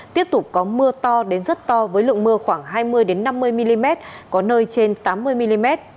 tiếp tục có mưa to đến rất to với lượng mưa khoảng hai mươi năm mươi mm có nơi trên tám mươi mm